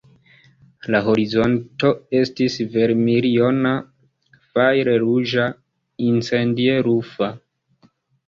La horizonto estis vermiljona, fajre-ruĝa, incendie-rufa.